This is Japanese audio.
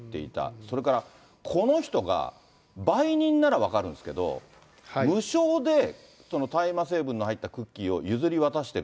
それからこの人が売人なら分かるんですけど、無償で大麻成分の入ったクッキーを譲り渡してる。